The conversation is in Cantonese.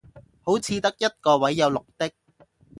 好似得一個位有綠的